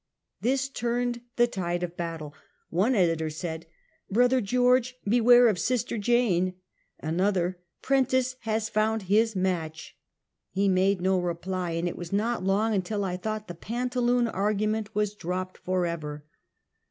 This turned the tide of battle. One editor said, " Brother George, beware of sister Jane." Another, " Prentiss has found his match." He made no reply, and it was not long until I thought the pantaloon ar gument was dropped forever.